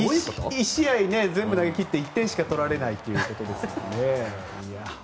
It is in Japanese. １試合全部投げ切って１点しか取られないということですね。